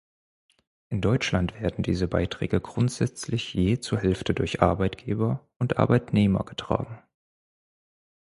In Deutschland werden diese Beiträge grundsätzlich je zur Hälfte durch Arbeitgeber und Arbeitnehmer getragen.